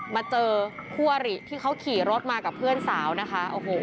มาเจอควาฬิที่เค้าขี่รถมากับเพื่อนสาวนะคะ